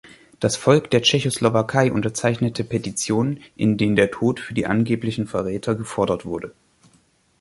Das Volk der Tschechoslowakei unterzeichnete Petitionen, in denen der Tod für die angeblichen Verräter gefordert wurde.